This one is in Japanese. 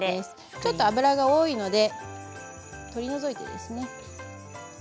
ちょっと油が多いので取り除きます。